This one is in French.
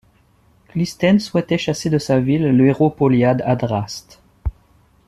Clisthène souhaitait chasser de sa ville le héros poliade Adraste.